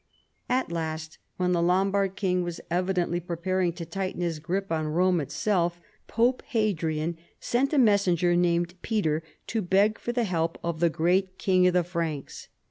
At last, when the Lombard king was evidently pre paring to tighten his grip on Rome itself. Pope Hadrian sent a messenger named Peter to beg for the help of the great King of the Franks.